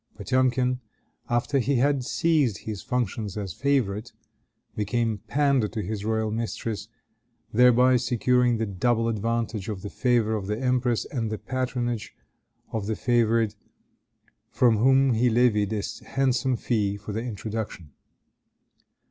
Potemkin, after he had ceased his functions as favorite, became pander to his royal mistress, thereby securing the double advantage of the favor of the empress and the patronage of the favorite, from whom he levied a handsome fee for the introduction.